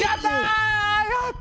やった！